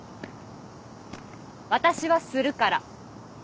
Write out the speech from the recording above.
私はするから。